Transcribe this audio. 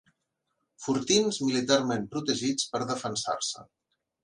Fortins militarment protegits per defensar-se.